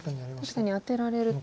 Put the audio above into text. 確かにアテられると。